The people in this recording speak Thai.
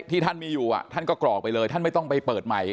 ที่ท่านมีอยู่ท่านก็กรอกไปเลยท่านไม่ต้องไปเปิดใหม่